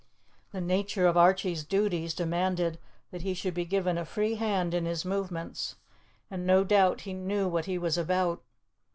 The nature of Archie's duties demanded that he should be given a free hand in his movements, and no doubt he knew what he was about.